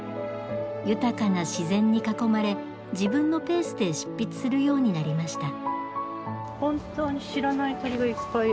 豊かな自然に囲まれ自分のペースで執筆するようになりました。